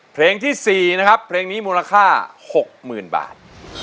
เพลงที่๔นะครับเพลงนี้มูลค่า๖๐๐๐บาท